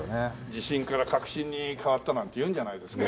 「自信から確信に変わった」なんて言うんじゃないですか？